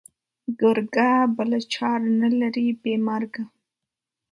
گرگه! بله چاره نه لري بې مرگه.